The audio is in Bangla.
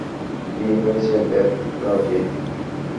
কী হয়েছে, দেবরজি?